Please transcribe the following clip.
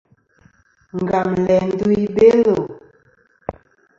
Ngam læ ndu i Belo.